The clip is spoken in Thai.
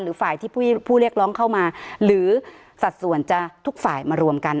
ฝ่ายที่ผู้เรียกร้องเข้ามาหรือสัดส่วนจากทุกฝ่ายมารวมกัน